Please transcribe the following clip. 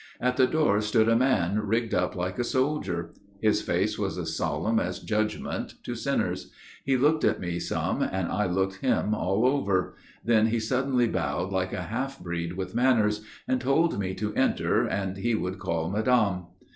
At the door stood a man rigged up like a soldier; His face was as solemn as judgment to sinners; He looked at me some, and I looked him all over, Then he suddenly bowed like a half breed with manners, And told me to enter, and he would call Madame.